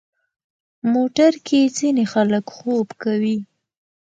موټر کې ځینې خلک خوب کوي.